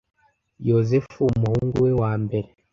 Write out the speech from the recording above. yosefu umuhungu we wa mbere